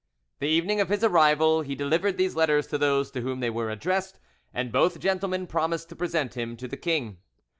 The evening of his arrival he delivered these letters to those to whom they were addressed, and both gentlemen promised to present him to the king.